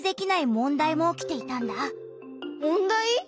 問題？